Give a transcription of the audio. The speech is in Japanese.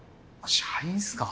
社員すか？